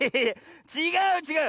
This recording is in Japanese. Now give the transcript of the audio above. ちがうちがう！